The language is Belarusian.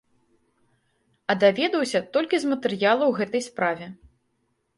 А даведаўся толькі з матэрыялаў гэтай справе.